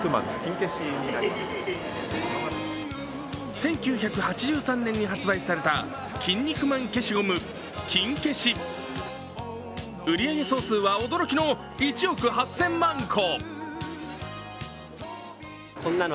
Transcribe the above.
１９８３年に発売されたキン肉マン消しゴム、キンケシ売上総数は驚きの１億８０００万個。